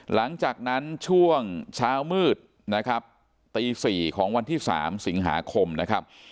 หลังจากนั้นช่วงเช้ามืดนะครับตี๔ของวันที่๓สิงหาคมนะครับ